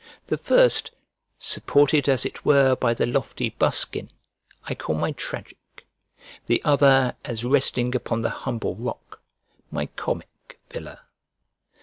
The first, supported as it were by the lofty buskin, I call my tragic; the other, as resting upon the humble rock, my comic villa.